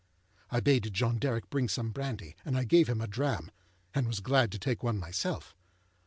I bade John Derrick bring some brandy, and I gave him a dram, and was glad to take one myself.